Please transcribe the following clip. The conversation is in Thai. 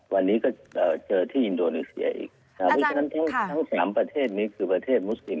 วันนี้ก็เจอที่อินโดริเซียอีกทั้ง๓ประเทศคือประเทศมุสลิม